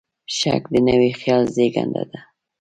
شک د نوي خیال زېږنده دی.